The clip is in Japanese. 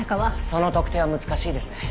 その特定は難しいですね。